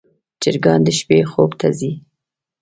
چرګان د شپې خوب ته ځي.